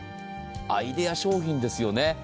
アイデア商品ですよね。